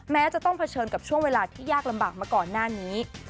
แม้จะต้องเผชิญกับช่วงเวลาที่ยากลำบากมาก่อนหน้านี้